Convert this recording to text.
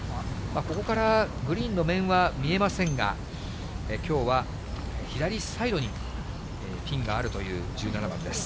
ここからグリーンの面は見えませんが、きょうは左サイドにピンがあるという１７番です。